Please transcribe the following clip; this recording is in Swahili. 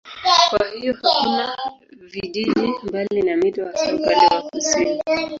Kwa hiyo hakuna vijiji mbali na mito hasa upande wa kusini.